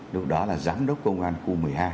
lúc đó là giám đốc công an khu một mươi hai